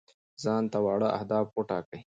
ځان ته واړه اهداف وټاکئ.